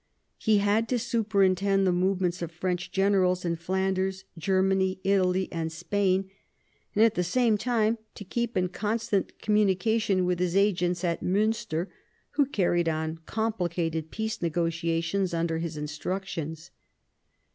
He had to superintend the movements of French generals in Flanders, Germany, Italy, and Spain, and at the same time to keep in constant com munication with his agents at Miinster, who carried on complicated peace negotiations under his instructions.